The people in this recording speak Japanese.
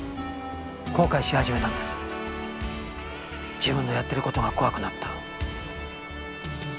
自分のやってる事が怖くなった。